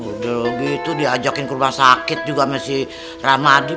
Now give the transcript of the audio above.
udah gitu diajakin ke rumah sakit juga sama si rahmadi